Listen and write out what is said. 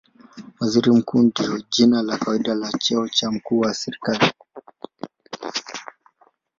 Waziri Mkuu ndilo jina la kawaida la cheo cha mkuu wa serikali.